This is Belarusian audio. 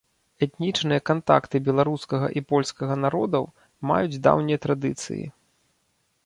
Этнічныя кантакты беларускага і польскага народаў маюць даўнія традыцыі.